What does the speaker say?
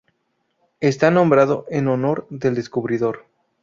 Está nombrado en honor del descubridor.